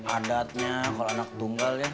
adatnya kalau anak tunggal ya